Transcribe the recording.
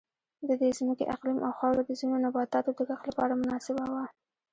د دې ځمکې اقلیم او خاوره د ځینو نباتاتو د کښت لپاره مناسبه وه.